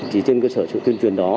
chỉ trên cơ sở tuyên truyền đó